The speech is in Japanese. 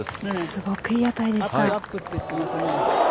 すごくいい当たりでした。